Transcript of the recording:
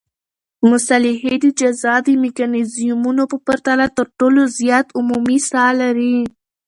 مصالحې د جزا د میکانیزمونو په پرتله تر ټولو زیات عمومي ساه لري.